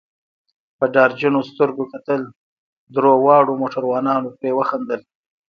په ډار جنو سترګو کتل، دریو واړو موټروانانو پرې وخندل.